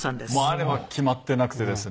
あれは決まっていなくてですね